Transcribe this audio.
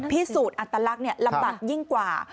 พี่สูตรอัตลักษณ์เนี่ยลำบากยิ่งกว่า